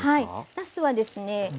なすはですね